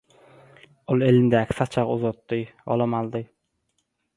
Ol elindäki saçagy uzatdy. Olam aldy.